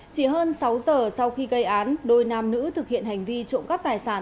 chỉ hơn sáu giờ sau khi gây án đôi nam nữ thực hiện hành vi trộm cắp tài sản